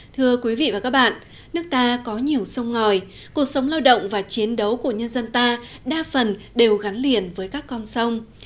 thưa quý vị và các bạn nước ta có nhiều sông ngòi cuộc sống lao động và chiến đấu của nhân dân ta đa phần đều gắn liền với các con sông